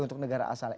untuk negara asalnya